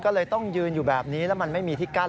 ก็เลยต้องยืนอยู่แบบนี้แล้วมันไม่มีที่กั้น